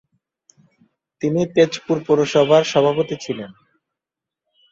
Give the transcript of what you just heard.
তিনি তেজপুর পৌরসভার সভাপতি ছিলেন।